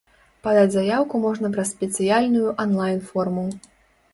Падаць заяўку можна праз спецыяльную анлайн-форму.